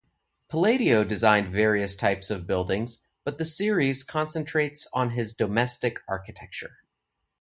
Palladio designed various types of buildings, but the series concentrates on his domestic architecture.